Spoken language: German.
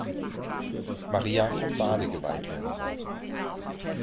Maria vom Bade" geweiht werden sollte.